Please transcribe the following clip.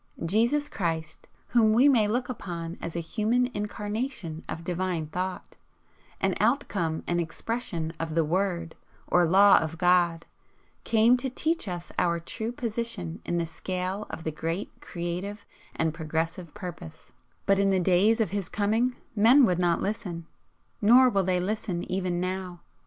Jesus Christ, whom we may look upon as a human Incarnation of Divine Thought, an outcome and expression of the 'Word' or Law of God, came to teach us our true position in the scale of the great Creative and Progressive Purpose, but in the days of His coming men would not listen, nor will they listen even now.